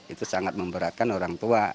itu sangat memberatkan orang tua